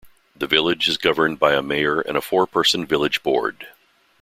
The Village is governed by a Mayor and a four-person Village Board.